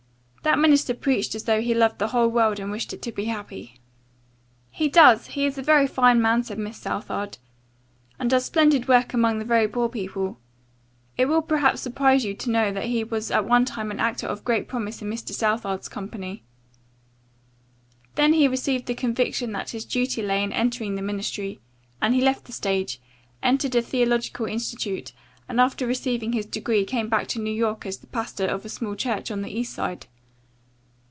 "That minister preached as though he loved the whole world and wished it to be happy." "He does. He is a very fine man," said Miss Southard, "and does splendid work among the very poor people. It will perhaps surprise you to know that he was at one time an actor of great promise in Mr. Southard's company. Then he received the conviction that his duty lay in entering the ministry and he left the stage, entered a theological institute and after receiving his degree came back to New York as the pastor of a small church on the East Side.